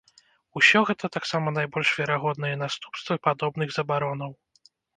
Усё гэта таксама найбольш верагодныя наступствы падобных забаронаў.